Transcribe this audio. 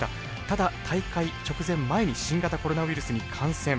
ただ大会直前前に新型コロナウイルスに感染。